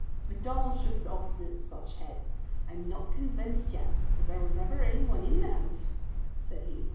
MacDonald shook his obstinate Scotch head. "I'm not convinced yet that there was ever anyone in the house," said he.